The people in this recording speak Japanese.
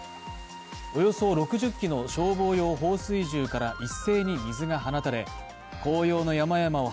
およそ６０基の消防用放水銃から一斉に水が放たれ、あと１周！